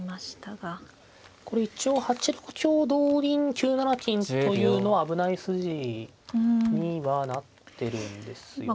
これ一応８六香同銀９七金というのは危ない筋にはなってるんですよね。